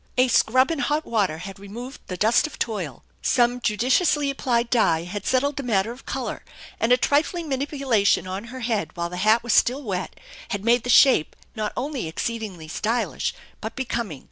A scrub in hot water had removed the dust of toil, some judiciously applied dye had settled the matter of color, and a trifling manipulation on her head while the hat was still wet had made the shape not only exceedingly stylish but becoming.